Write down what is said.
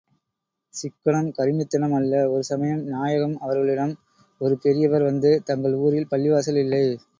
சிக்கனம் கருமித்தனம் அல்ல ஒரு சமயம் நாயகம் அவர்களிடம் ஒரு பெரியவர் வந்து, தங்கள் ஊரில் பள்ளிவாசல் இல்லை.